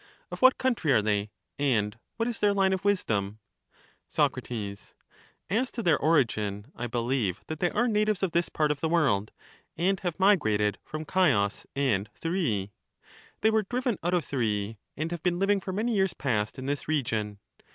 Of what country are they, and what is their line of wisdom ? Soc, As to their origin, I believe that they are na tives of this part of the world, and have migrated 222 EUTHYDEMUS from Chios and Thurii; they were driven out of Thurii, and have been living for many years past in this region.